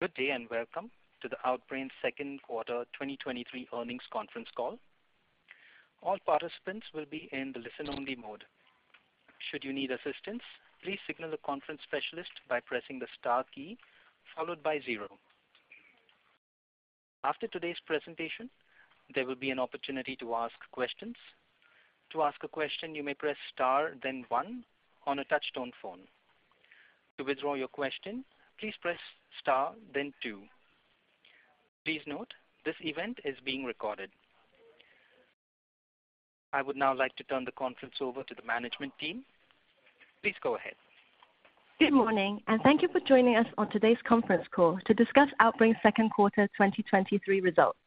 Good day. Welcome to the Outbrain Second Quarter 2023 Earnings Conference Call. All participants will be in the listen-only mode. Should you need assistance, please signal the conference specialist by pressing the star key followed by zero. After today's presentation, there will be an opportunity to ask questions. To ask a question, you may press star, then one on a touchtone phone. To withdraw your question, please press star, then two. Please note, this event is being recorded. I would now like to turn the conference over to the management team. Please go ahead. Good morning. Thank you for joining us on today's conference call to discuss Outbrain's second quarter 2023 results.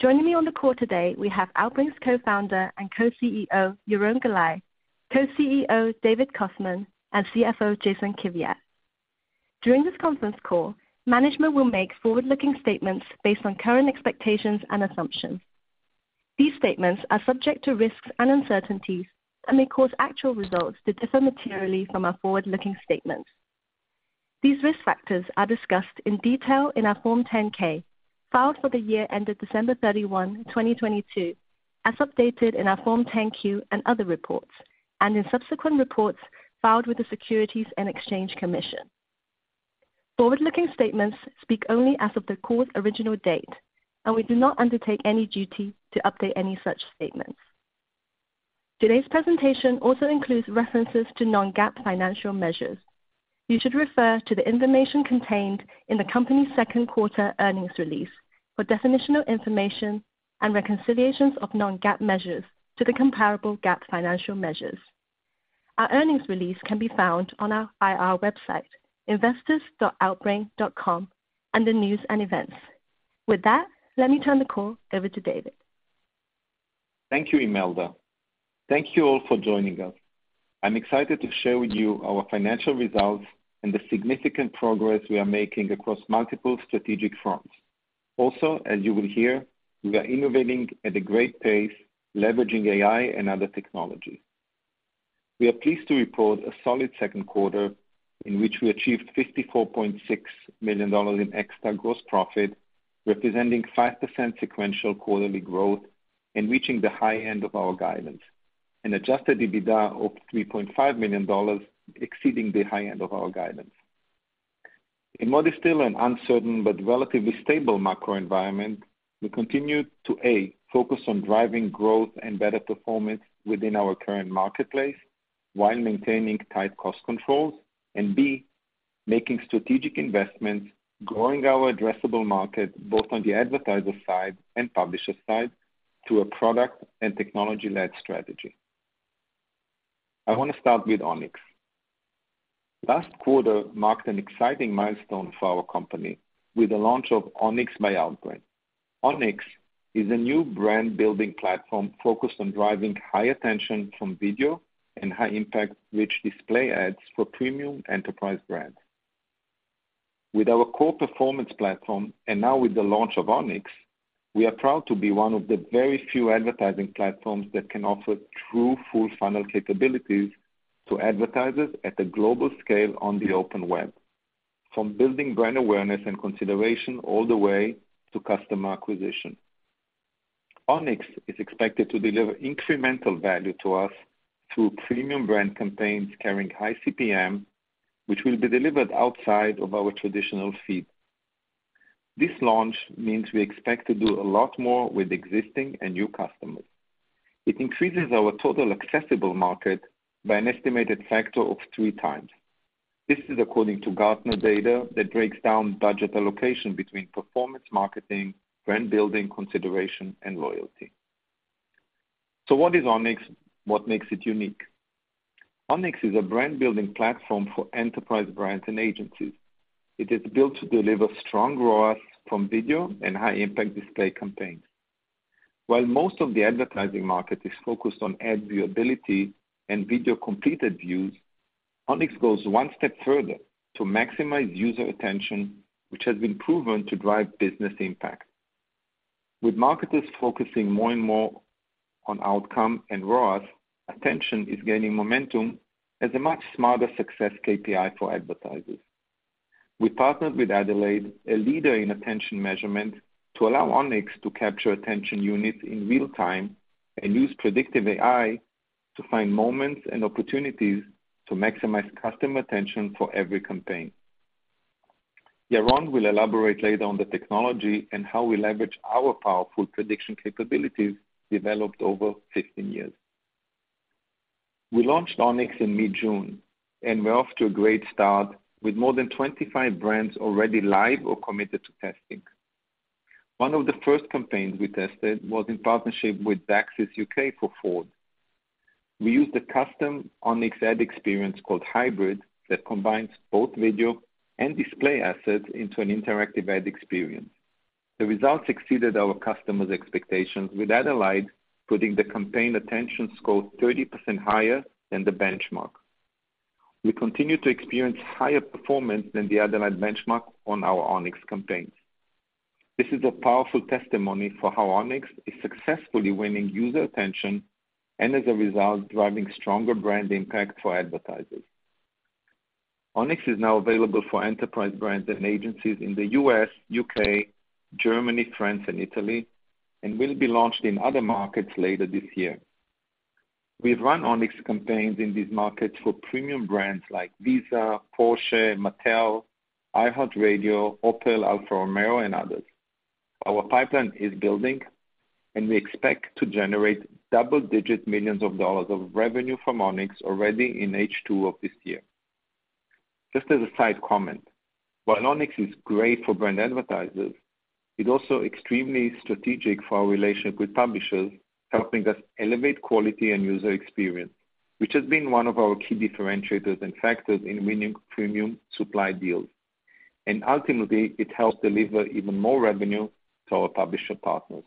Joining me on the call today, we have Outbrain's co-founder and co-CEO, Yaron Galai, co-CEO, David Kostman, and CFO, Jason Kiviat. During this conference call, management will make forward-looking statements based on current expectations and assumptions. These statements are subject to risks and uncertainties and may cause actual results to differ materially from our forward-looking statements. These risk factors are discussed in detail in our Form 10-K, filed for the year ended December 31, 2022, as updated in our Form 10-Q and other reports, and in subsequent reports filed with the Securities and Exchange Commission. Forward-looking statements speak only as of the call's original date. We do not undertake any duty to update any such statements. Today's presentation also includes references to non-GAAP financial measures. You should refer to the information contained in the company's second quarter earnings release for definitional information and reconciliations of non-GAAP measures to the comparable GAAP financial measures. Our earnings release can be found on our IR website, investors.outbrain.com, under News and Events. With that, let me turn the call over to David. Thank you, Imelda. Thank you all for joining us. I'm excited to share with you our financial results and the significant progress we are making across multiple strategic fronts. As you will hear, we are innovating at a great pace, leveraging AI and other technologies. We are pleased to report a solid second quarter, in which we achieved $54.6 million in Ex-TAC gross profit, representing 5% sequential quarterly growth and reaching the high end of our guidance. Adjusted EBITDA of $3.5 million, exceeding the high end of our guidance. In what is still an uncertain but relatively stable macro environment, we continued to focus on driving growth and better performance within our current marketplace while maintaining tight cost controls. B, making strategic investments, growing our addressable market, both on the advertiser side and publisher side, through a product and technology-led strategy. I want to start with Onyx. Last quarter marked an exciting milestone for our company with the launch of Onyx by Outbrain. Onyx is a new brand-building platform focused on driving high attention from video and high-impact, rich display ads for premium enterprise brands. With our core performance platform, and now with the launch of Onyx, we are proud to be one of the very few advertising platforms that can offer true, full funnel capabilities to advertisers at a global scale on the open web, from building brand awareness and consideration all the way to customer acquisition. Onyx is expected to deliver incremental value to us through premium brand campaigns carrying high CPM, which will be delivered outside of our traditional feed. This launch means we expect to do a lot more with existing and new customers. It increases our total accessible market by an estimated factor of 3x. This is according to Gartner data that breaks down budget allocation between performance, marketing, brand building, consideration, and loyalty. What is Onyx? What makes it unique? Onyx is a brand-building platform for enterprise brands and agencies. It is built to deliver strong ROAS from video and high-impact display campaigns. While most of the advertising market is focused on ad viewability and video completed views, Onyx goes one step further to maximize user attention, which has been proven to drive business impact. With marketers focusing more and more on outcome and ROAS, attention is gaining momentum as a much smarter success KPI for advertisers. We partnered with Adelaide, a leader in attention measurement, to allow Onyx to capture Attention Units in real time and use predictive AI to find moments and opportunities to maximize customer attention for every campaign. Yaron will elaborate later on the technology and how we leverage our powerful prediction capabilities developed over 15 years. We launched Onyx in mid-June, and we're off to a great start with more than 25 brands already live or committed to testing. One of the first campaigns we tested was in partnership with Xaxis U.K. for Ford. We used a custom Onyx ad experience called Hybrid that combines both video and display assets into an interactive ad experience. The results exceeded our customers' expectations, with Adelaide putting the campaign attention score 30% higher than the benchmark. We continue to experience higher performance than the Adelaide benchmark on our Onyx campaigns. This is a powerful testimony for how Onyx is successfully winning user attention and, as a result, driving stronger brand impact for advertisers. Onyx is now available for enterprise brands and agencies in the U.S., U.K., Germany, France, and Italy, and will be launched in other markets later this year. We've run Onyx campaigns in these markets for premium brands like Visa, Porsche, Mattel, iHeartRadio, Opel, Alfa Romeo, and others. Our pipeline is building, and we expect to generate double-digit millions of dollars of revenue from Onyx already in H2 of this year. Just as a side comment, while Onyx is great for brand advertisers, it's also extremely strategic for our relationship with publishers, helping us elevate quality and user experience, which has been one of our key differentiators and factors in winning premium supply deals. Ultimately, it helps deliver even more revenue to our publisher partners.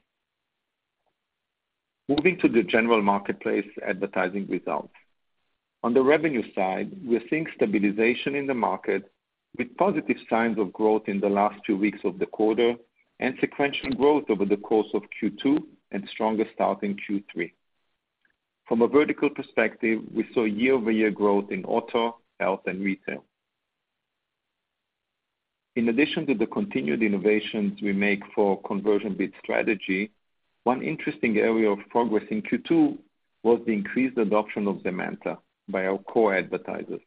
Moving to the general marketplace advertising results. On the revenue side, we are seeing stabilization in the market, with positive signs of growth in the last two weeks of the quarter and sequential growth over the course of Q2 and stronger start in Q3. From a vertical perspective, we saw year-over-year growth in auto, health, and retail. In addition to the continued innovations we make for conversion bid strategy, one interesting area of progress in Q2 was the increased adoption of Zemanta by our core advertisers.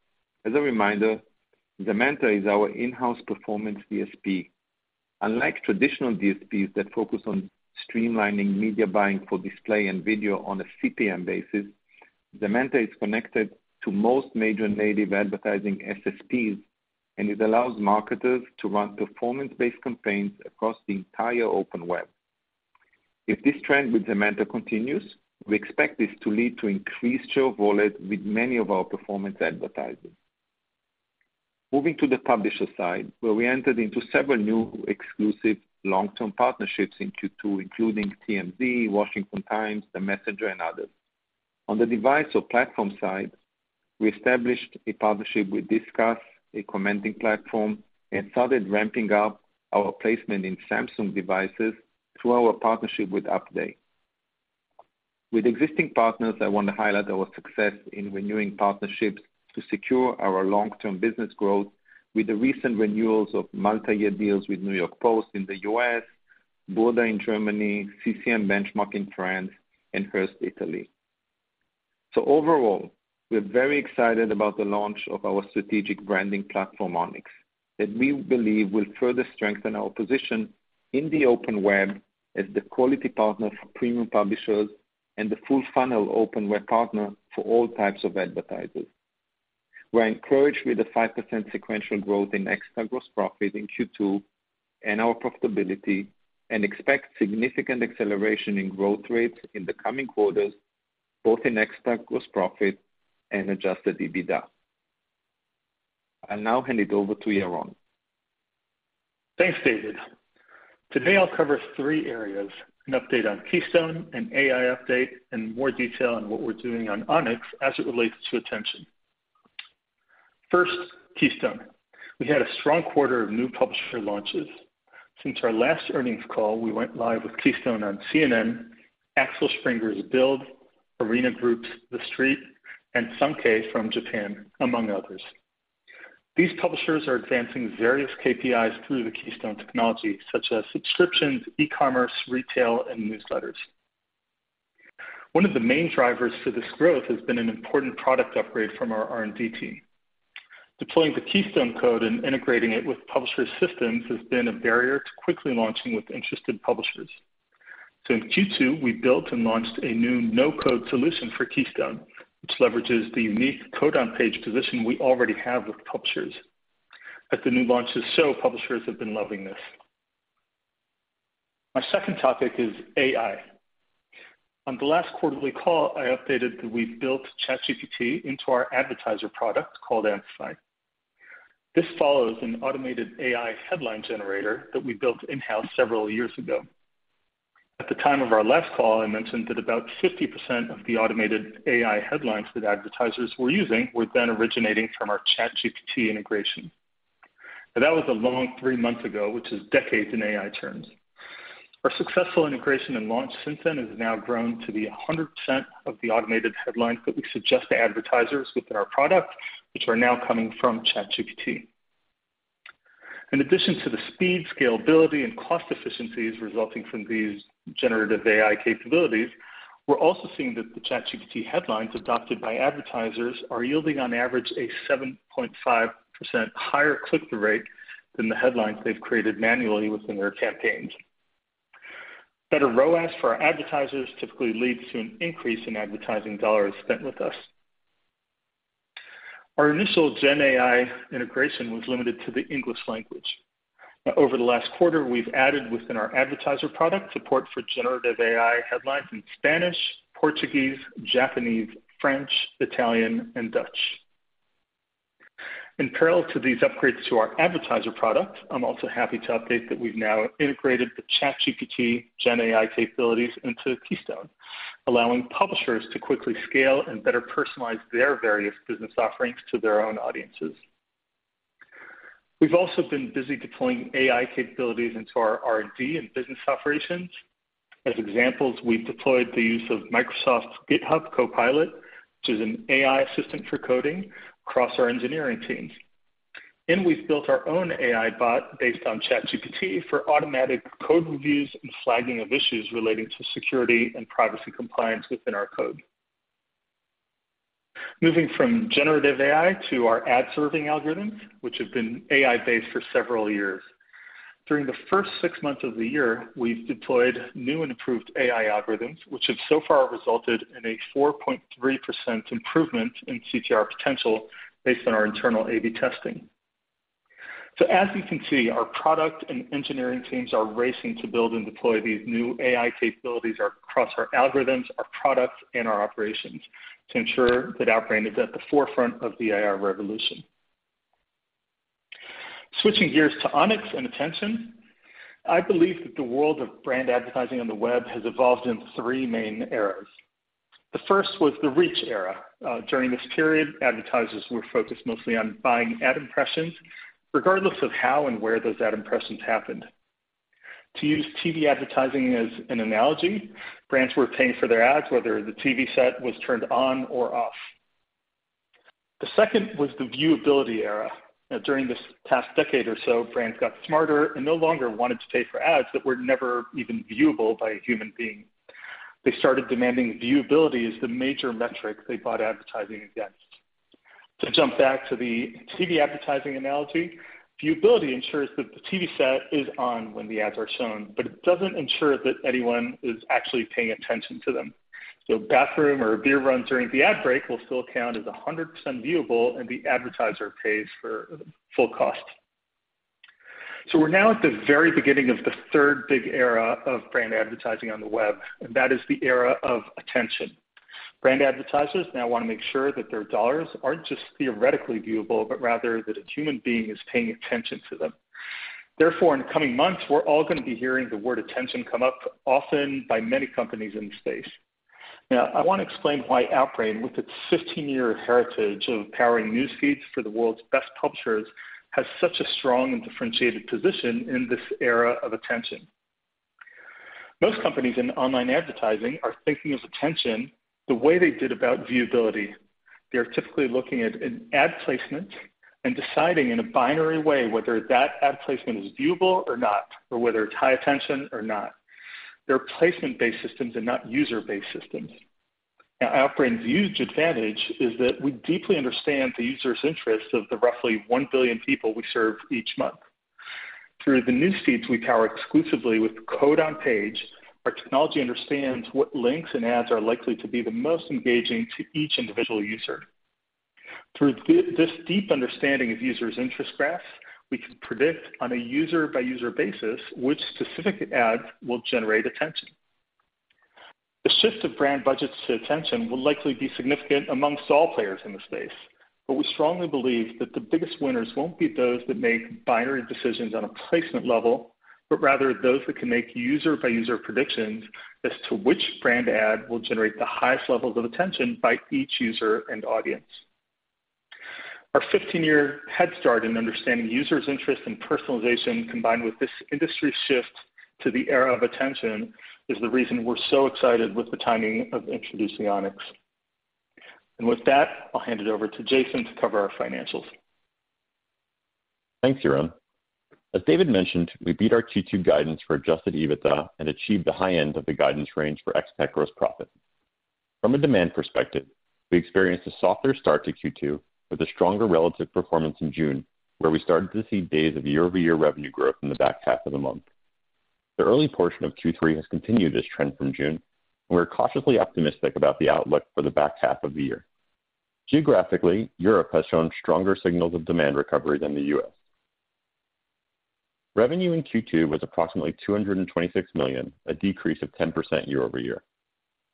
As a reminder, Zemanta is our in-house performance DSP. Unlike traditional DSPs that focus on streamlining media buying for display and video on a CPM basis, Zemanta is connected to most major native advertising SSPs, it allows marketers to run performance-based campaigns across the entire open web. If this trend with Zemanta continues, we expect this to lead to increased share of wallet with many of our performance advertisers. Moving to the publisher side, where we entered into several new exclusive long-term partnerships in Q2, including TMZ, Washington Times, The Messenger, and others. On the device or platform side, we established a partnership with Disqus, a commenting platform, and started ramping up our placement in Samsung devices through our partnership with upday. With existing partners, I want to highlight our success in renewing partnerships to secure our long-term business growth with the recent renewals of multi-year deals with New York Post in the U.S., Bauer in Germany, CCM Benchmark in France, and Hearst, Italy. Overall, we're very excited about the launch of our strategic branding platform, Onyx, that we believe will further strengthen our position in the open web as the quality partner for premium publishers and the full funnel open web partner for all types of advertisers. We're encouraged with the 5% sequential growth in Ex-TAC gross profit in Q2 and our profitability, and expect significant acceleration in growth rates in the coming quarters, both in Ex-TAC gross profit and Adjusted EBITDA. I'll now hand it over to Yaron. Thanks, David. Today, I'll cover 3 areas: an update on Keystone, an AI update, and more detail on what we're doing on Onyx as it relates to attention. First, Keystone. We had a strong quarter of new publisher launches. Since our last earnings call, we went live with Keystone on CNN, Axel Springer's Bild, The Arena Group's TheStreet, and Sankei from Japan, among others. These publishers are advancing various KPIs through the Keystone technology, such as subscriptions, e-commerce, retail, and newsletters. One of the main drivers for this growth has been an important product upgrade from our R&D team. Deploying the Keystone code and integrating it with publisher systems has been a barrier to quickly launching with interested publishers. In Q2, we built and launched a new no-code solution for Keystone, which leverages the unique code-on-page position we already have with publishers. At the new launches, publishers have been loving this. My second topic is AI. On the last quarterly call, I updated that we built ChatGPT into our advertiser product called Amplify. This follows an automated AI headline generator that we built in-house several years ago. At the time of our last call, I mentioned that about 50% of the automated AI headlines that advertisers were using were then originating from our ChatGPT integration. That was a long three months ago, which is decades in AI terms. Our successful integration and launch since then has now grown to be 100% of the automated headlines that we suggest to advertisers within our product, which are now coming from ChatGPT. In addition to the speed, scalability, and cost efficiencies resulting from these generative AI capabilities, we're also seeing that the ChatGPT headlines adopted by advertisers are yielding, on average, a 7.5% higher click-through rate than the headlines they've created manually within their campaigns. Better ROAS for our advertisers typically leads to an increase in advertising dollars spent with us. Our initial Gen AI integration was limited to the English language. Over the last quarter, we've added within our advertiser product support for generative AI headlines in Spanish, Portuguese, Japanese, French, Italian, and Dutch. In parallel to these upgrades to our advertiser product, I'm also happy to update that we've now integrated the ChatGPT Gen AI capabilities into Keystone, allowing publishers to quickly scale and better personalize their various business offerings to their own audiences. We've also been busy deploying AI capabilities into our R&D and business operations. As examples, we've deployed the use of Microsoft's GitHub Copilot, which is an AI assistant for coding, across our engineering teams. We've built our own AI bot based on ChatGPT for automatic code reviews and flagging of issues relating to security and privacy compliance within our code. Moving from generative AI to our ad-serving algorithms, which have been AI-based for several years. During the first six months of the year, we've deployed new and improved AI algorithms, which have so far resulted in a 4.3% improvement in CTR potential based on our internal A/B testing. As you can see, our product and engineering teams are racing to build and deploy these new AI capabilities across our algorithms, our products, and our operations to ensure that Outbrain is at the forefront of the AI revolution. Switching gears to Onyx and attention, I believe that the world of brand advertising on the web has evolved in three main eras. The first was the reach era. During this period, advertisers were focused mostly on buying ad impressions, regardless of how and where those ad impressions happened. To use TV advertising as an analogy, brands were paying for their ads, whether the TV set was turned on or off. The second was the viewability era. During this past decade or so, brands got smarter and no longer wanted to pay for ads that were never even viewable by a human being. They started demanding viewability as the major metric they bought advertising against. To jump back to the TV advertising analogy, viewability ensures that the TV set is on when the ads are shown, but it doesn't ensure that anyone is actually paying attention to them. Bathroom or beer runs during the ad break will still count as 100% viewable, and the advertiser pays for the full cost. We're now at the very beginning of the third big era of brand advertising on the web, and that is the era of attention. Brand advertisers now want to make sure that their dollars aren't just theoretically viewable, but rather that a human being is paying attention to them. Therefore, in the coming months, we're all gonna be hearing the word attention come up often by many companies in the space. Now, I wanna explain why Outbrain, with its 15-year heritage of powering newsfeeds for the world's best publishers, has such a strong and differentiated position in this era of attention. Most companies in online advertising are thinking of attention the way they did about viewability. They're typically looking at an ad placement and deciding in a binary way whether that ad placement is viewable or not, or whether it's high attention or not. They're placement-based systems and not user-based systems. Now, Outbrain's huge advantage is that we deeply understand the user's interests of the roughly 1 billion people we serve each month. Through the newsfeeds we power exclusively with code on page, our technology understands what links and ads are likely to be the most engaging to each individual user. Through this deep understanding of users' interest graphs, we can predict on a user-by-user basis which specific ads will generate attention. The shift of brand budgets to attention will likely be significant amongst all players in the space, but we strongly believe that the biggest winners won't be those that make binary decisions on a placement level, but rather those that can make user-by-user predictions as to which brand ad will generate the highest levels of attention by each user and audience. Our 15-year head start in understanding users' interests and personalization, combined with this industry shift to the era of attention, is the reason we're so excited with the timing of introducing Onyx. With that, I'll hand it over to Jason to cover our financials. Thanks, Yoram. As David mentioned, we beat our Q2 guidance for Adjusted EBITDA and achieved the high end of the guidance range for Ex-TAC gross profit. From a demand perspective, we experienced a softer start to Q2 with a stronger relative performance in June, where we started to see days of year-over-year revenue growth in the back half of the month. The early portion of Q3 has continued this trend from June, and we're cautiously optimistic about the outlook for the back half of the year. Geographically, Europe has shown stronger signals of demand recovery than the US. Revenue in Q2 was approximately $226 million, a decrease of 10% year-over-year.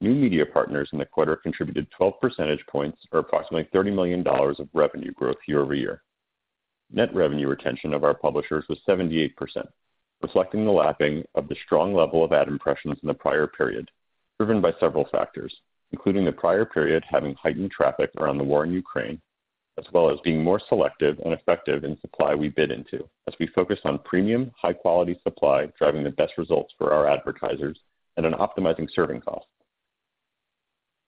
New media partners in the quarter contributed 12 percentage points, or approximately $30 million of revenue growth year-over-year. Net revenue retention of our publishers was 78%, reflecting the lapping of the strong level of ad impressions in the prior period, driven by several factors, including the prior period having heightened traffic around the war in Ukraine, as well as being more selective and effective in supply we bid into, as we focus on premium, high-quality supply, driving the best results for our advertisers and on optimizing serving costs.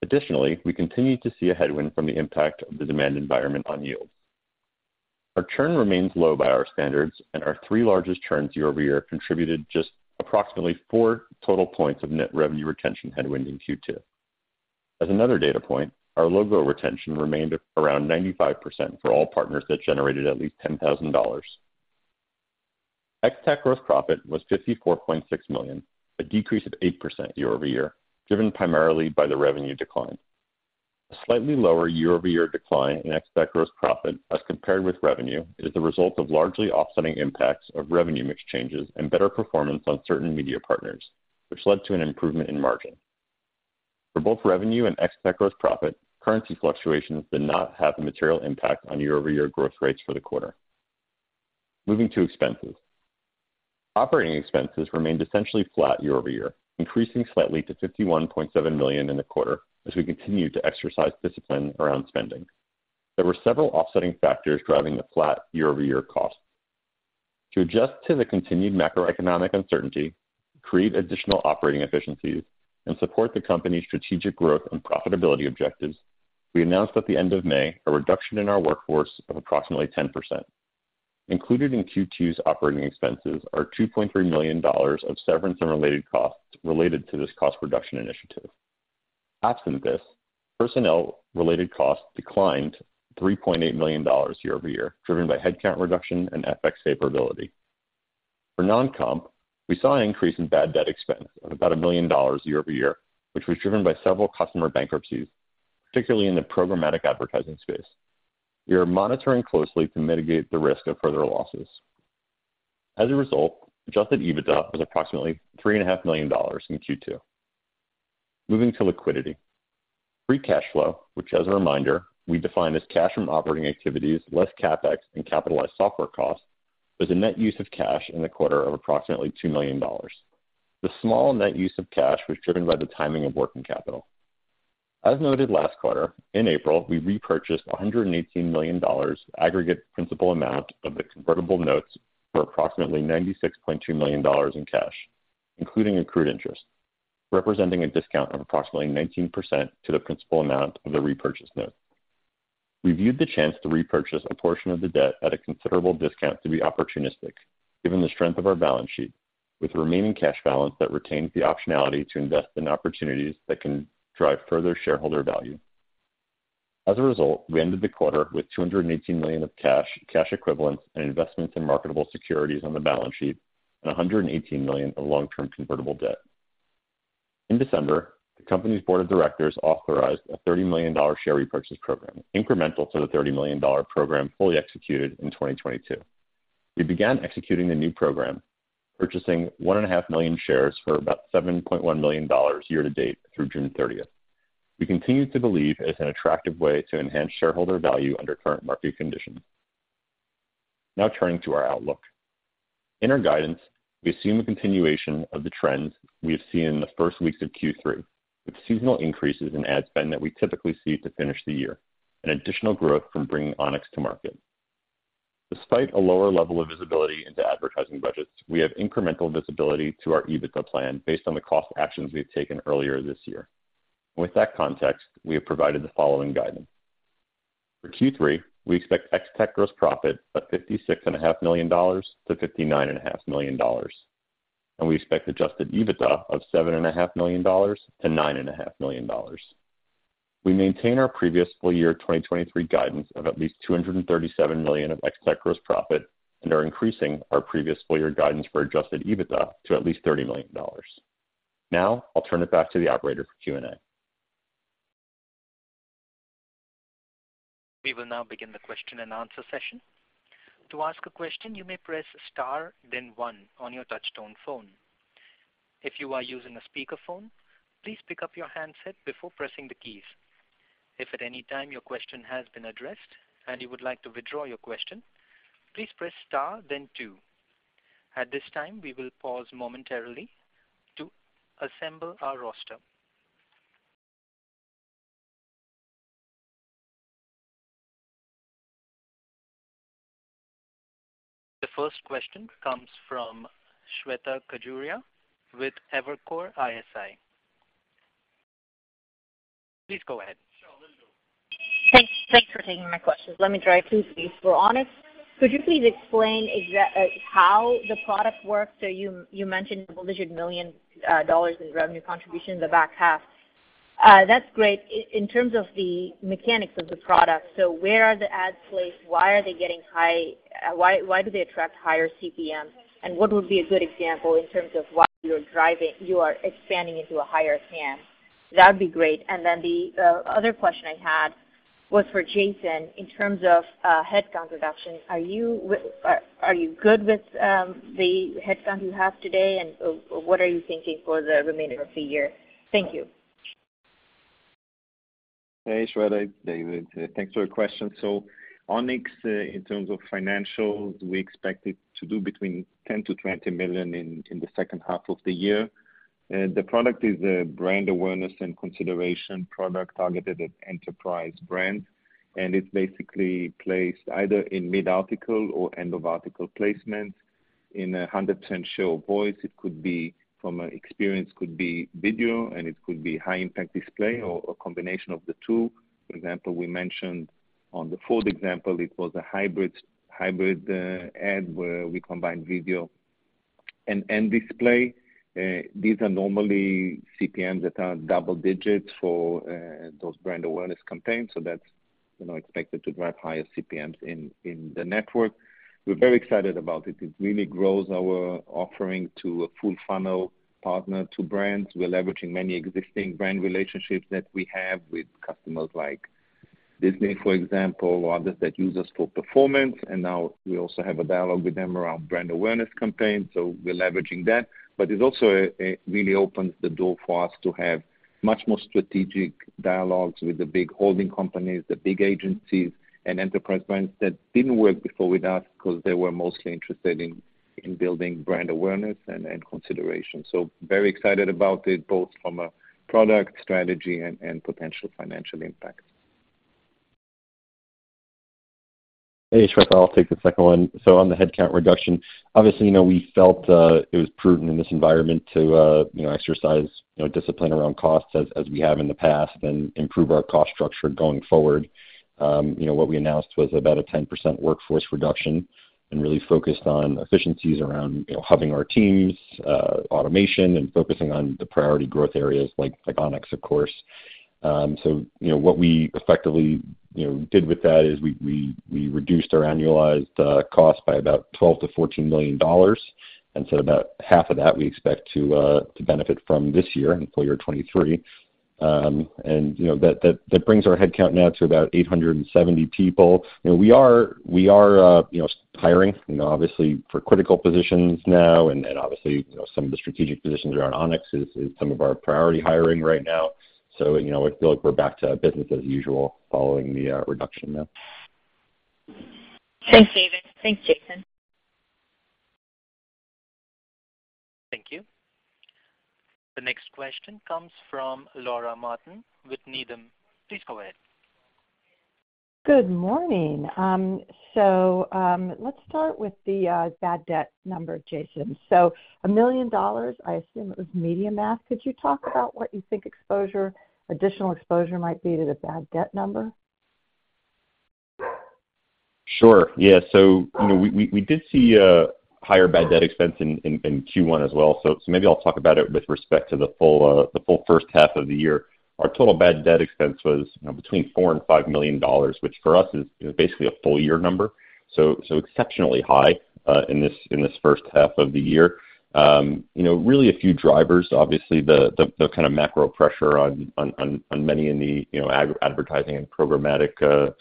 Additionally, we continued to see a headwind from the impact of the demand environment on yields. Our churn remains low by our standards, and our 3 largest churns year-over-year contributed just approximately 4 total points of net revenue retention headwind in Q2. As another data point, our logo retention remained around 95% for all partners that generated at least $10,000. Ex-TAC gross profit was $54.6 million, a decrease of 8% year-over-year, driven primarily by the revenue decline. A slightly lower year-over-year decline in Ex-TAC gross profit as compared with revenue is the result of largely offsetting impacts of revenue mix changes and better performance on certain media partners, which led to an improvement in margin. For both revenue and Ex-TAC gross profit, currency fluctuations did not have a material impact on year-over-year growth rates for the quarter. Moving to expenses. Operating expenses remained essentially flat year-over-year, increasing slightly to $51.7 million in the quarter as we continued to exercise discipline around spending. There were several offsetting factors driving the flat year-over-year cost. To adjust to the continued macroeconomic uncertainty, create additional operating efficiencies, and support the company's strategic growth and profitability objectives, we announced at the end of May a reduction in our workforce of approximately 10%. Included in Q2's operating expenses are $2.3 million of severance and related costs related to this cost reduction initiative. Absent this, personnel-related costs declined $3.8 million year-over-year, driven by headcount reduction and FX favorability. For non-comp, we saw an increase in bad debt expense of about $1 million year-over-year, which was driven by several customer bankruptcies, particularly in the programmatic advertising space. We are monitoring closely to mitigate the risk of further losses. As a result, Adjusted EBITDA was approximately $3.5 million in Q2. Moving to liquidity. Free cash flow, which, as a reminder, we define as cash from operating activities, less CapEx and capitalized software costs, was a net use of cash in the quarter of approximately $2 million. The small net use of cash was driven by the timing of working capital. As noted last quarter, in April, we repurchased $118 million aggregate principal amount of the convertible notes for approximately $96.2 million in cash, including accrued interest, representing a discount of approximately 19% to the principal amount of the repurchased note. We viewed the chance to repurchase a portion of the debt at a considerable discount to be opportunistic, given the strength of our balance sheet, with remaining cash balance that retains the optionality to invest in opportunities that can drive further shareholder value. We ended the quarter with $218 million of cash, cash equivalents, and investments in marketable securities on the balance sheet and $118 million of long-term convertible debt. In December, the company's board of directors authorized a $30 million share repurchase program, incremental to the $30 million program fully executed in 2022. We began executing the new program, purchasing 1.5 million shares for about $7.1 million year-to-date through June 30th. We continue to believe it's an attractive way to enhance shareholder value under current market conditions. Turning to our outlook. In our guidance, we assume a continuation of the trends we have seen in the first weeks of Q3, with seasonal increases in ad spend that we typically see to finish the year, and additional growth from bringing Onyx to market. Despite a lower level of visibility into advertising budgets, we have incremental visibility to our EBITDA plan based on the cost actions we have taken earlier this year. With that context, we have provided the following guidance: For Q3, we expect Ex-TAC gross profit of $56.5 million-$59.5 million, and we expect adjusted EBITDA of $7.5 million-$9.5 million. We maintain our previous full year 2023 guidance of at least $237 million of Ex-TAC gross profit and are increasing our previous full year guidance for adjusted EBITDA to at least $30 million. I'll turn it back to the operator for Q&A. We will now begin the question-and-answer session. To ask a question, you may press star, then one on your touchtone phone. If you are using a speakerphone, please pick up your handset before pressing the keys. If at any time your question has been addressed and you would like to withdraw your question, please press star then two. At this time, we will pause momentarily to assemble our roster. The first question comes from Shweta Khajuria with Evercore ISI. Please go ahead. Thanks, thanks for taking my questions. Let me try two, please. For Onyx, could you please explain exa- how the product works? You, you mentioned double-digit million dollars in revenue contribution in the back half. That's great. In terms of the mechanics of the product, so where are the ads placed? Why, why do they attract higher CPMs? What would be a good example in terms of why you are driving, you are expanding into a higher TAM? That would be great. The other question I had was for Jason. In terms of headcount reduction, are you, are you good with the headcount you have today, and what are you thinking for the remainder of the year? Thank you. Hey, Shweta, it's David. Thanks for your question. Onyx, in terms of financials, we expect it to do between $10 million-$20 million in the second half of the year. The product is a brand awareness and consideration product targeted at enterprise brands, and it's basically placed either in mid-article or end-of-article placements. In a 100% share of voice, it could be from an experience, could be video, and it could be high impact display or a combination of the two. For example, we mentioned on the Ford example, it was a hybrid, hybrid ad where we combined video and display. These are normally CPMs that are double digits for those brand awareness campaigns, so that's, you know, expected to drive higher CPMs in the network. We're very excited about it. It really grows our offering to a full funnel partner to brands. We're leveraging many existing brand relationships that we have with customers like... Disney, for example, or others that use us for performance. Now we also have a dialogue with them around brand awareness campaigns, so we're leveraging that. It also really opens the door for us to have much more strategic dialogues with the big holding companies, the big agencies, and enterprise brands that didn't work before with us because they were mostly interested in, in building brand awareness and, and consideration. Very excited about it, both from a product strategy and, and potential financial impact. Hey, Trevor, I'll take the second one. On the headcount reduction, obviously, you know, we felt it was prudent in this environment to, you know, exercise, you know, discipline around costs as, as we have in the past and improve our cost structure going forward. You know, what we announced was about a 10% workforce reduction and really focused on efficiencies around, you know, having our teams, automation and focusing on the priority growth areas like Onyx, of course. So you know, what we effectively, you know, did with that is we, we, we reduced our annualized cost by about $12 million-$14 million, and so about half of that we expect to benefit from this year in full year 2023. You know, that, that, that brings our headcount now to about 870 people. You know, we are, we are, you know, hiring, you know, obviously for critical positions now, and, and obviously, you know, some of the strategic positions around Onyx is, is some of our priority hiring right now. You know, I feel like we're back to business as usual following the reduction now. Thanks, David. Thanks, Jason. Thank you. The next question comes from Laura Martin with Needham. Please go ahead. Good morning. Let's start with the bad debt number, Jason. $1 million, I assume it was MediaMath. Could you talk about what you think exposure, additional exposure might be to the bad debt number? Sure. Yeah. You know, we, we, we did see a higher bad debt expense in, in, in Q1 as well. Maybe I'll talk about it with respect to the full, the full first half of the year. Our total bad debt expense was, you know, between $4 million and $5 million, which for us is, is basically a full year number. Exceptionally high in this, in this first half of the year. You know, really a few drivers, obviously, the, the, the kind of macro pressure on, on, on, on many in the, you know, advertising and programmatic,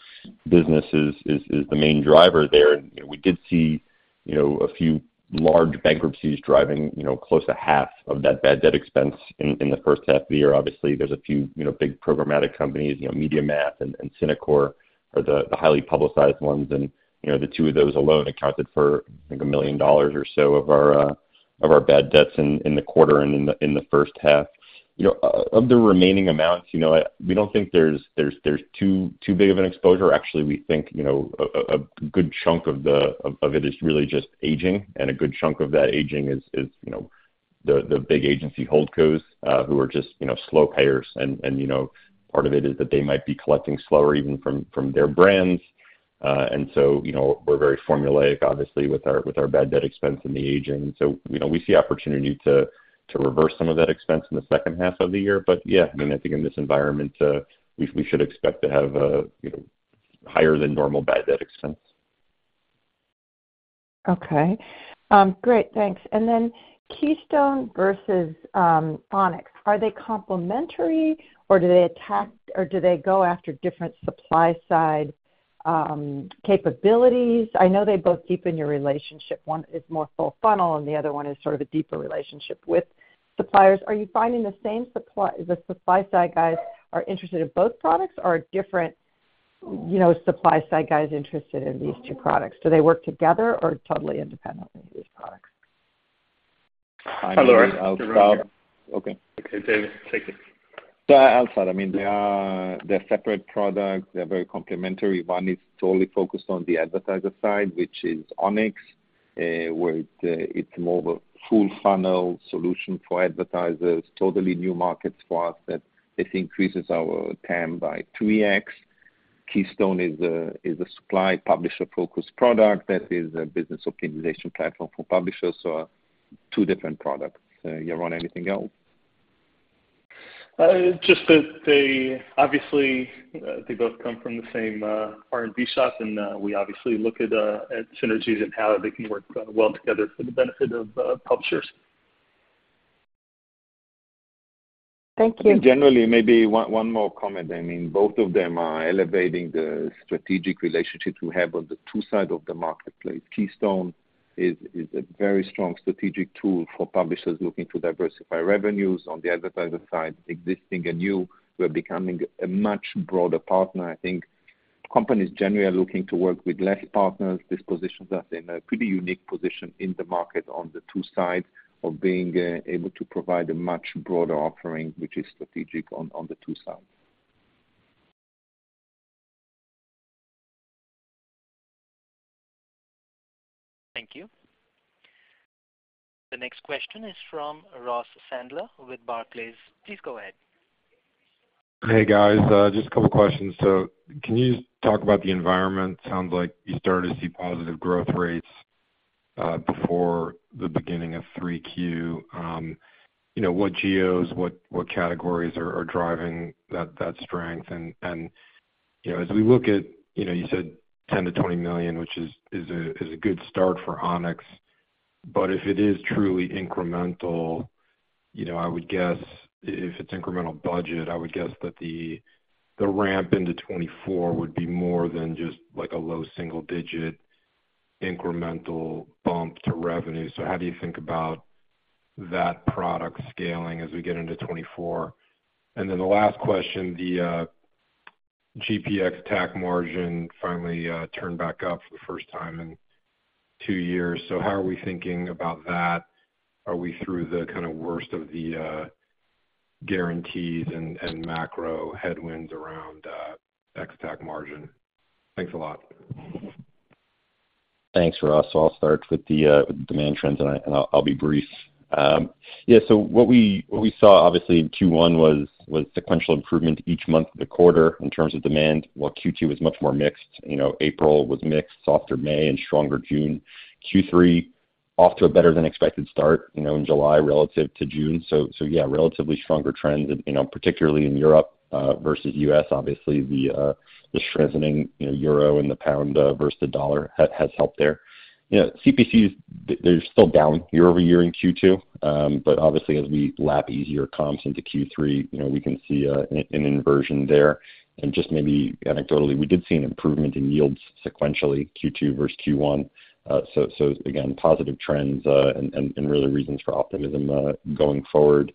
businesses is, is the main driver there. You know, we did see, you know, a few large bankruptcies driving, you know, close to half of that bad debt expense in, in the first half of the year. Obviously, there's a few, you know, big programmatic companies, you know, MediaMath and Sizmek are the, the highly publicized ones. You know, the two of those alone accounted for, I think, $1 million or so of our of our bad debts in, in the quarter and in the, in the first half. You know, of the remaining amounts, you know, we don't think there's, there's, there's too, too big of an exposure. Actually, we think, you know, a, a, a good chunk of it is really just aging, and a good chunk of that aging is, is, you know, the, the big agency holdcos, who are just, you know, slow payers. You know, part of it is that they might be collecting slower even from, from their brands. You know, we're very formulaic, obviously, with our, with our bad debt expense and the aging. You know, we see opportunity to, to reverse some of that expense in the second half of the year. Yeah, I mean, I think in this environment, we, we should expect to have a, you know, higher than normal bad debt expense. Okay. great, thanks. Then Keystone versus Onyx, are they complementary, or do they attack, or do they go after different supply side capabilities? I know they both deepen your relationship. One is more full funnel, and the other one is sort of a deeper relationship with suppliers. Are you finding the same supply-- the supply side guys are interested in both products or are different, you know, supply side guys interested in these two products? Do they work together or totally independently, these products? Hi, Laura. Okay. Okay, David, take it. I'll start. I mean, they're separate products. They're very complementary. One is totally focused on the advertiser side, which is Onyx, where it's more of a full funnel solution for advertisers, totally new markets for us, that it increases our TAM by 3x. Keystone is a supply publisher-focused product that is a business optimization platform for publishers. Two different products. Yaron, anything else? Just that they obviously, they both come from the same R&D shop, and we obviously look at at synergies and how they can work well together for the benefit of publishers. Thank you. Generally, maybe one, one more comment. I mean, both of them are elevating the strategic relationships we have on the two sides of the marketplace. Keystone is, is a very strong strategic tool for publishers looking to diversify revenues on the advertiser side, existing and new. We're becoming a much broader partner. I think companies generally are looking to work with less partners. This positions us in a pretty unique position in the market on the two sides of being able to provide a much broader offering, which is strategic on, on the two sides. Thank you. The next question is from Ross Sandler with Barclays. Please go ahead. Hey, guys, just a couple questions. Can you talk about the environment? Sounds like you start to see positive growth rates before the beginning of three Q. you know, what geos, what, what categories are, are driving that, that strength? you know, as we look at, you know, you said $10 million-$20 million, which is, is a, is a good start for Onyx, but if it is truly incremental-... you know, I would guess if it's incremental budget, I would guess that the, the ramp into 2024 would be more than just like a low single-digit incremental bump to revenue. How do you think about that product scaling as we get into 2024? Then the last question, the Ex-TAC gross margin finally turned back up for the first time in two years. How are we thinking about that? Are we through the kind of worst of the guarantees and macro headwinds around Ex-TAC margin? Thanks a lot. Thanks, Ross. I'll start with the with the demand trends, and I'll be brief. Yeah, what we, what we saw obviously in Q1 was sequential improvement each month of the quarter in terms of demand, while Q2 was much more mixed. You know, April was mixed, softer May, and stronger June. Q3, off to a better than expected start, you know, in July relative to June. Yeah, relatively stronger trends, you know, particularly in Europe versus U.S. Obviously, the strengthening, you know, euro and the pound versus the dollar has helped there. You know, CPCs, they're still down year-over-year in Q2. Obviously, as we lap easier comps into Q3, you know, we can see an inversion there. Just maybe anecdotally, we did see an improvement in yields sequentially, Q2 versus Q1. So, again, positive trends, and, and, and really reasons for optimism, going forward.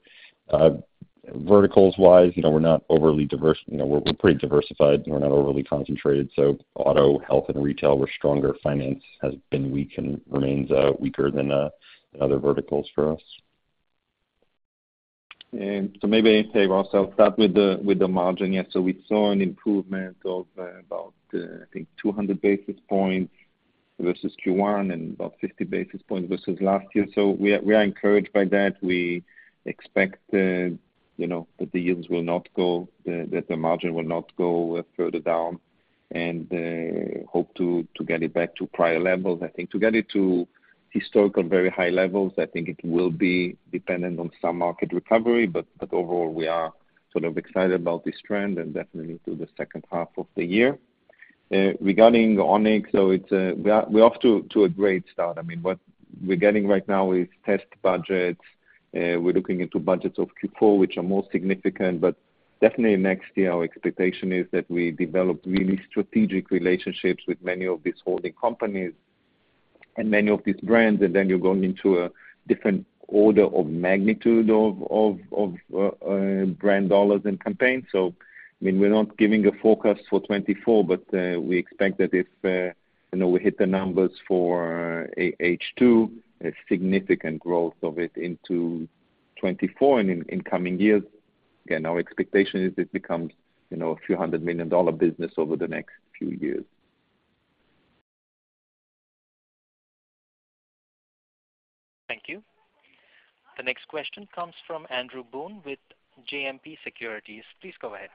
Verticals-wise, you know, we're not overly diverse. You know, we're, we're pretty diversified, and we're not overly concentrated, so auto, health, and retail were stronger. Finance has been weak and remains weaker than other verticals for us. Maybe, hey, Ross, I'll start with the margin. We saw an improvement of about, I think 200 basis points versus Q1 and about 50 basis points versus last year. We are encouraged by that. We expect, you know, that the yields will not go, that the margin will not go further down, and hope to get it back to prior levels. I think to get it to historical, very high levels, I think it will be dependent on some market recovery, but overall, we are sort of excited about this trend and definitely through the second half of the year. Regarding Onyx, so we are... We're off to a great start. I mean, what we're getting right now is test budgets. We're looking into budgets of Q4, which are more significant. Definitely next year, our expectation is that we develop really strategic relationships with many of these holding companies and many of these brands, and then you're going into a different order of magnitude of brand dollars and campaigns. I mean, we're not giving a forecast for 2024, but, we expect that if, you know, we hit the numbers for H2, a significant growth of it into 2024 and in coming years. Again, our expectation is it becomes, you know, a few hundred million dollar business over the next few years. Thank you. The next question comes from Andrew Boone with JMP Securities. Please go ahead.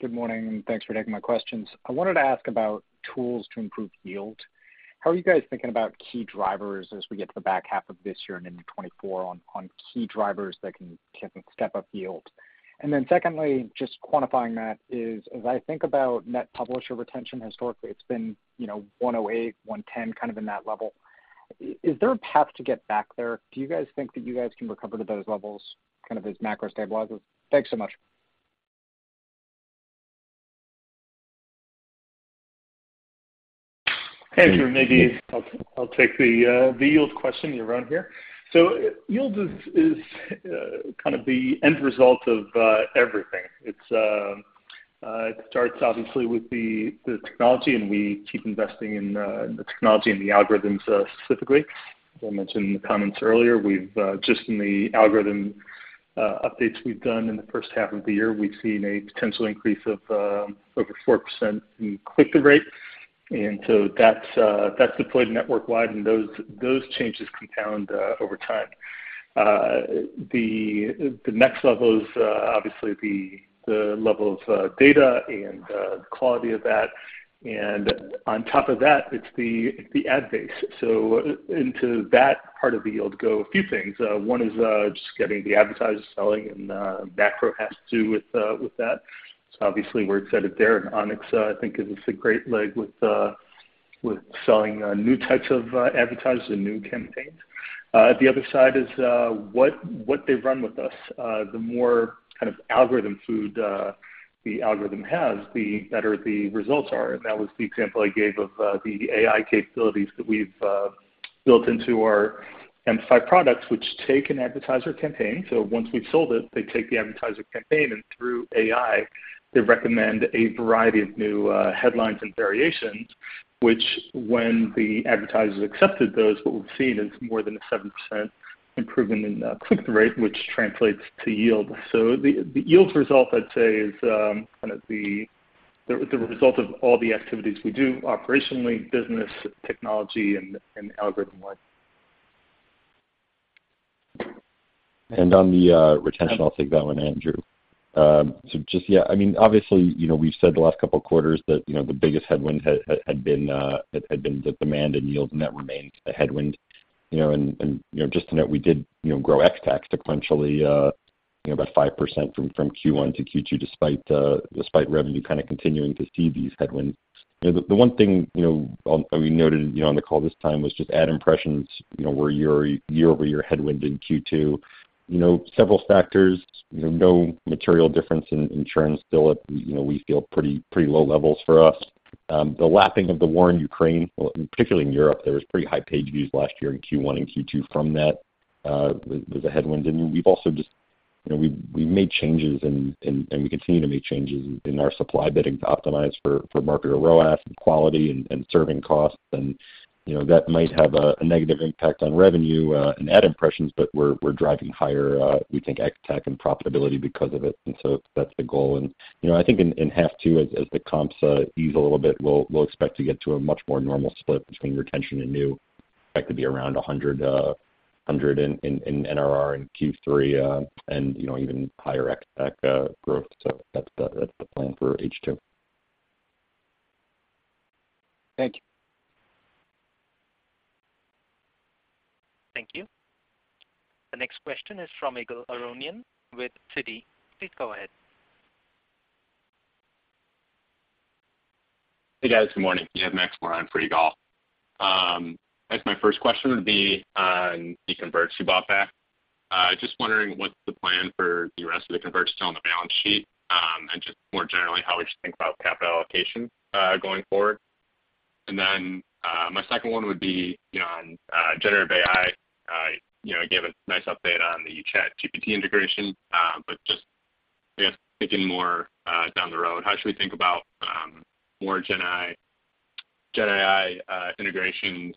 Good morning, thanks for taking my questions. I wanted to ask about tools to improve yield. How are you guys thinking about key drivers as we get to the back half of this year and into 2024, on key drivers that can step up yield? Secondly, just quantifying that is, as I think about net publisher retention, historically it's been, you know, 108, 110, kind of in that level. Is there a path to get back there? Do you guys think that you guys can recover to those levels kind of as macro stabilizes? Thanks so much. Andrew, maybe I'll, I'll take the the yield question around here. Yield is, is kind of the end result of everything. It's it starts obviously with the the technology, and we keep investing in the technology and the algorithms specifically. I mentioned in the comments earlier, we've just in the algorithm updates we've done in the first half of the year, we've seen a potential increase of over 4% in click-through rate. That's that's deployed network-wide, and those, those changes compound over time. The the next level is obviously the the level of data and the quality of that. On top of that, it's the the ad base. Into that part of the yield go a few things. One is just getting the advertisers selling, macro has to do with that. Obviously, we're excited there, and Onyx I think is a great leg with selling new types of advertisers and new campaigns. The other side is what they run with us. The more kind of algorithm food the algorithm has, the better the results are. That was the example I gave of the AI capabilities that we've built into our Amplify products, which take an advertiser campaign. Once we've sold it, they take the advertiser campaign, and through AI, they recommend a variety of new headlines and variations, which when the advertisers accepted those, what we've seen is more than a 7% improvement in click-through rate, which translates to yield. The, the yield result, I'd say, is kind of the, the, the result of all the activities we do operationally, business, technology, and, and algorithm-wide. On the retention, I'll take that 1, Andrew. So just, yeah, I mean, obviously, you know, we've said the last couple of quarters that, you know, the biggest headwind had been the demand and yield, and that remains a headwind. Just to note, we did, you know, grow Ex-TAC sequentially, about 5% from Q1 to Q2, despite revenue kind of continuing to see these headwinds. One thing, you know, we noted, you know, on the call this time was just ad impressions, you know, were year-over-year headwind in Q2. Several factors, no material difference in churn, still at, you know, we feel pretty, pretty low levels for us. The lapping of the war in Ukraine, well, particularly in Europe, there was pretty high page views last year in Q1 and Q2 from that, was a headwind. We've also just, you know, we made changes and we continue to make changes in our supply bidding to optimize for market ROAS and quality and serving costs. You know, that might have a negative impact on revenue and ad impressions, but we're driving higher, we think, tech and profitability because of it, that's the goal. You know, I think in half two, as the comps ease a little bit, we'll expect to get to a much more normal split between retention and new. That could be around 100 in NRR in Q3, and, you know, even higher growth. That's the, that's the plan for H2. Thank you. Thank you. The next question is from Ygal Arounian with Citi. Please go ahead. Hey, guys. Good morning. You have Max More on for Ygal. I guess my first question would be on the converts you bought back. Just wondering what's the plan for the rest of the converts still on the balance sheet? Just more generally, how we should think about capital allocation going forward. Then my second one would be, you know, on generative AI. You know, you gave a nice update on the ChatGPT integration, but just, I guess, thinking more down the road, how should we think about more Gen AI integrations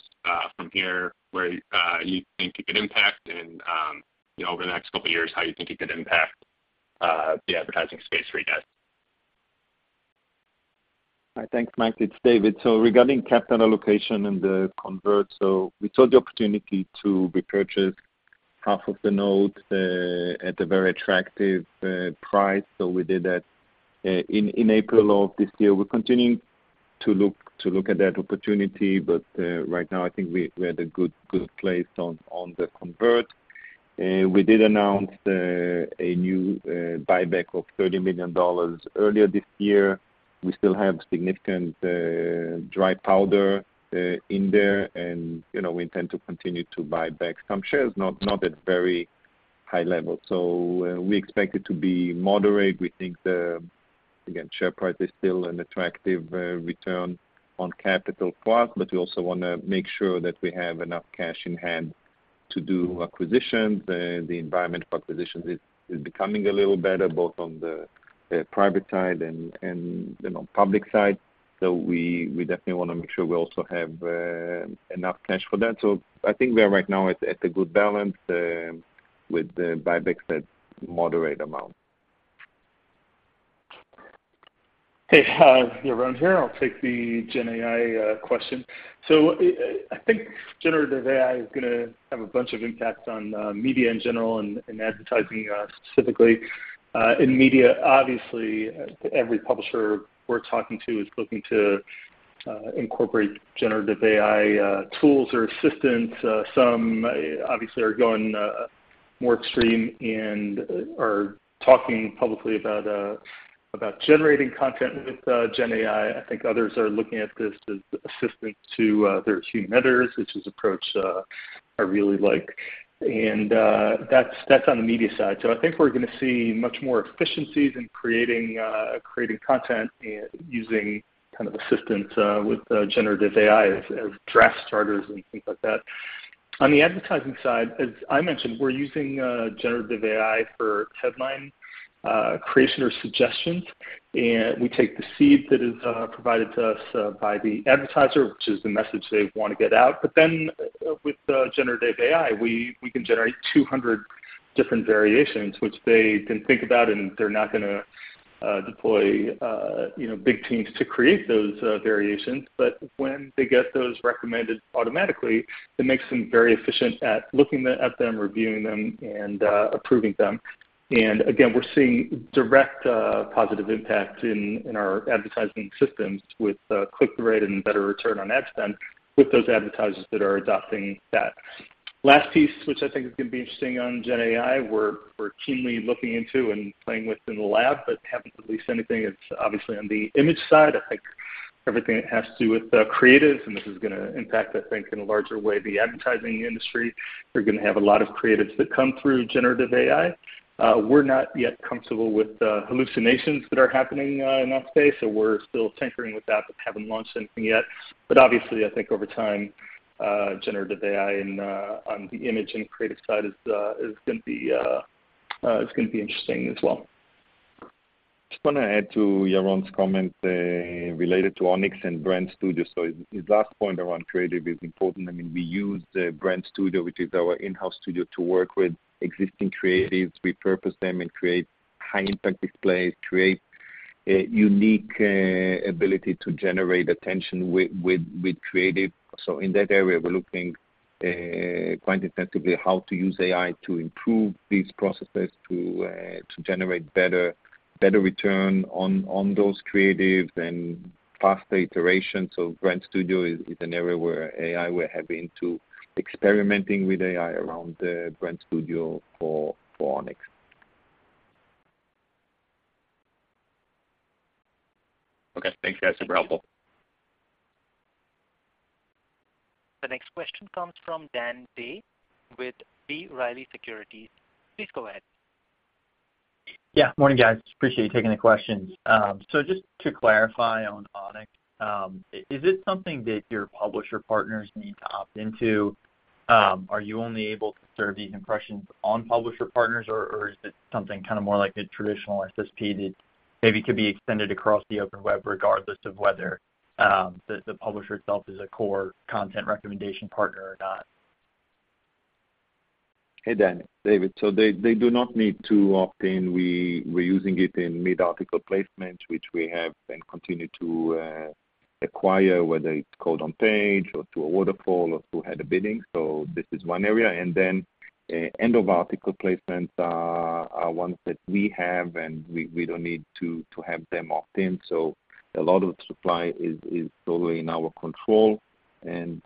from here, where you think it could impact and, you know, over the next couple of years, how you think it could impact the advertising space for you guys? Thanks, Mike. It's David. Regarding capital allocation and the convert, we took the opportunity to repurchase half of the note at a very attractive price. We did that in April of this year. We're continuing to look, to look at that opportunity, but right now I think we're at a good, good place on the convert. We did announce a new buyback of $30 million earlier this year. We still have significant dry powder in there, and, you know, we intend to continue to buy back some shares, not, not at very high levels. We expect it to be moderate. We think the, again, share price is still an attractive return on capital cost, but we also wanna make sure that we have enough cash in hand to do acquisitions. The environment for acquisitions is, is becoming a little better, both on the private side and, and, you know, public side. We, we definitely wanna make sure we also have enough cash for that. I think we are right now at, at a good balance with the buyback at moderate amount. Hey, Yaron here. I'll take the Gen AI question. I, I think generative AI is gonna have a bunch of impacts on media in general and, and advertising specifically. In media, obviously, every publisher we're talking to is looking to incorporate generative AI tools or assistance. Some obviously are going more extreme and are talking publicly about about generating content with Gen AI. I think others are looking at this as assistant to their human editors, which is approach I really like. That's, that's on the media side. I think we're gonna see much more efficiencies in creating creating content and using kind of assistance with generative AI as, as draft starters and things like that. On the advertising side, as I mentioned, we're using generative AI for headline creation or suggestions, and we take the seed that is provided to us by the advertiser, which is the message they want to get out. Then, with generative AI, we can generate 200 different variations, which they can think about, and they're not gonna deploy, you know, big teams to create those variations. When they get those recommended automatically, it makes them very efficient at looking at them, reviewing them, and approving them. Again, we're seeing direct positive impact in our advertising systems with click-through rate and better return on ad spend with those advertisers that are adopting that. Last piece, which I think is gonna be interesting on Gen AI, we're, we're keenly looking into and playing with in the lab but haven't released anything. It's obviously on the image side. I think everything that has to do with creatives, and this is gonna impact, I think, in a larger way, the advertising industry. We're gonna have a lot of creatives that come through generative AI. We're not yet comfortable with the hallucinations that are happening in that space, so we're still tinkering with that, but haven't launched anything yet. Obviously, I think over time, generative AI and on the image and creative side is gonna be interesting as well. Just wanna add to Yaron's comment, related to Onyx and Brand Studio. His last point around creative is important. I mean, we use the Brand Studio, which is our in-house studio, to work with existing creatives, repurpose them, and create high impact displays, create a unique ability to generate attention with, with, with creative. In that area, we're looking quite intensively how to use AI to improve these processes to generate better, better return on, on those creatives faster iteration. Brand Studio is, is an area where AI, we're happy into experimenting with AI around the Brand Studio for, for Onyx. Okay, thanks, guys. Super helpful. The next question comes from Dan Day with B. Riley Securities. Please go ahead. Yeah, morning, guys. Appreciate you taking the questions. Just to clarify on Onyx, is this something that your publisher partners need to opt into? Are you only able to serve these impressions on publisher partners, or, or is it something kind of more like a traditional SSP that maybe could be extended across the open web, regardless of whether, the, the publisher itself is a core content recommendation partner or not? Hey, Dan, David. They, they do not need to opt in. We're using it in mid-article placements, which we have and continue to acquire, whether it's code on page or through a waterfall or through header bidding. This is one area. End-of-article placements are, are ones that we have, and we, we don't need to, to have them opt-in. A lot of the supply is, is totally in our control, and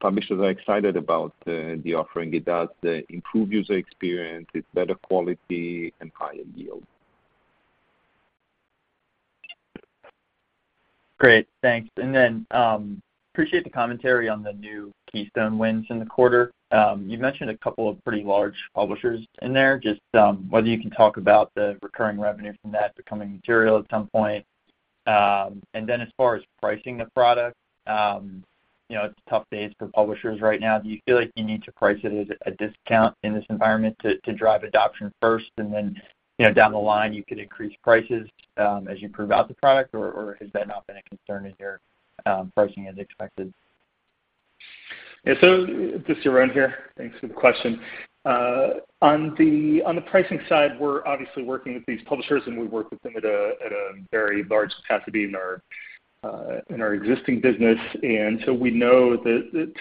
publishers are excited about the, the offering. It does improve user experience. It's better quality and higher yield. Great, thanks. Appreciate the commentary on the new Keystone wins in the quarter. You mentioned a couple of pretty large publishers in there. Just whether you can talk about the recurring revenue from that becoming material at some point. As far as pricing the product, you know, it's tough days for publishers right now. Do you feel like you need to price it at a discount in this environment to drive adoption first, and then, you know, down the line, you could increase prices as you prove out the product? Or has that not been a concern and your pricing as expected? Yeah. This is Yaron here. Thanks for the question. On the, on the pricing side, we're obviously working with these publishers, and we work with them at a, at a very large capacity in our existing business. We know that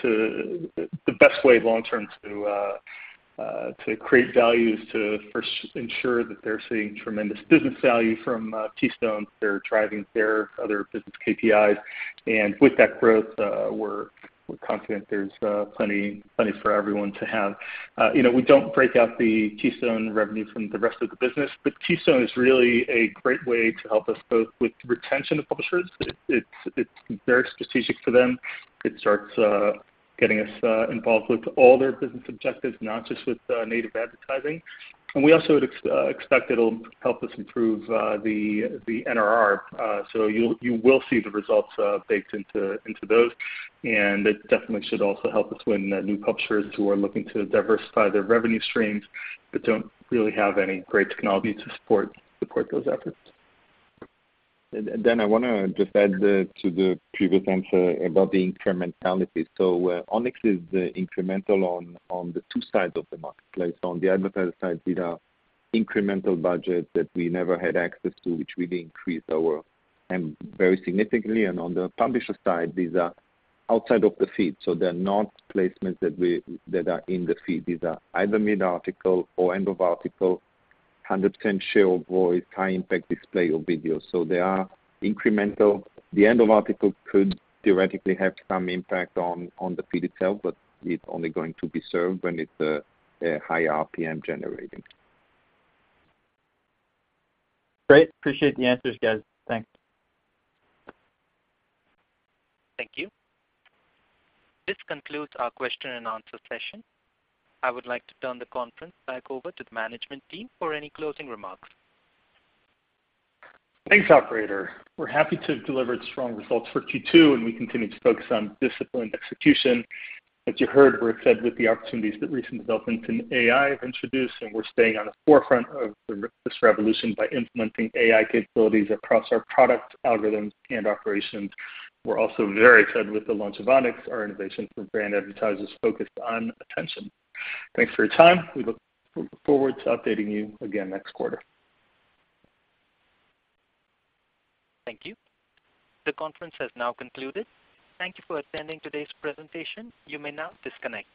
the best way long term to create value is to first ensure that they're seeing tremendous business value from Keystone. They're driving their other business KPIs, and with that growth, we're, we're confident there's plenty, plenty for everyone to have. You know, we don't break out the Keystone revenue from the rest of the business, but Keystone is really a great way to help us both with retention of publishers. It, it's, it's very strategic for them. It starts getting us involved with all their business objectives, not just with native advertising. We also expect it'll help us improve the NRR. You will see the results baked into those, and it definitely should also help us win new publishers who are looking to diversify their revenue streams but don't really have any great technology to support those efforts. I want to just add the, to the previous answer about the incrementality. Onyx is the incremental on, on the two sides of the marketplace. On the advertiser side, these are incremental budgets that we never had access to, which really increased our... And very significantly, and on the publisher side, these are outside of the feed, so they're not placements that are in the feed. These are either mid-article or end-of-article, 100% share of voice, high-impact display or video. They are incremental. The end-of-article could theoretically have some impact on, on the feed itself, but it's only going to be served when it's a, a higher RPM generating. Great. Appreciate the answers, guys. Thanks. Thank you. This concludes our question and answer session. I would like to turn the conference back over to the management team for any closing remarks. Thanks, operator. We're happy to have delivered strong results for Q2. We continue to focus on disciplined execution. As you heard, we're excited with the opportunities that recent developments in AI have introduced. We're staying on the forefront of this revolution by implementing AI capabilities across our products, algorithms, and operations. We're also very excited with the launch of Onyx, our innovation for brand advertisers focused on attention. Thanks for your time. We look forward to updating you again next quarter. Thank you. The conference has now concluded. Thank you for attending today's presentation. You may now disconnect.